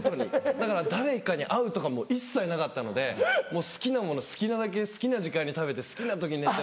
だから誰かに会うとかも一切なかったので好きなもの好きなだけ好きな時間に食べて好きな時に寝て起きて。